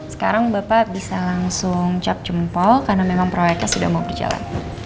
sekarang bapak bisa langsung cap jempol karena memang proyeknya sudah mau berjalan